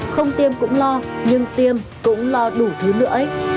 không tiêm cũng lo nhưng tiêm cũng lo đủ thứ nữa